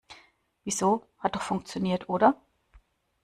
Wieso, hat doch funktioniert, oder?